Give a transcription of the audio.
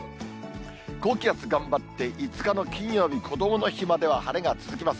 高気圧頑張って、５日の金曜日こどもの日までは晴れが続きます。